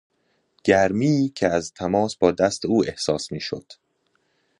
گرمی که از تماس با دست او احساس میشد